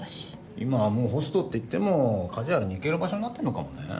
今はもうホストって言ってもカジュアルに行ける場所になったのかもね。